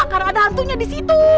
karena ada hantunya di situ